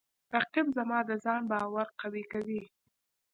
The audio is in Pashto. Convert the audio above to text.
رقیب زما د ځان باور قوی کوي